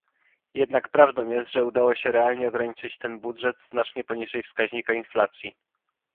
Jednak prawdą jest, że udało się realnie ograniczyć ten budżet znacznie poniżej wskaźnika inflacji